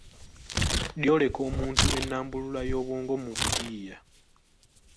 Lyoleka omuntu ennambulula y’obwongo mu buyiiya